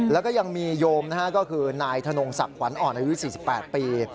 แล้วก็ยังมีโยมก็คือนายทะลุงศักดิ์หวานอ่อนอายุ๔๘ปี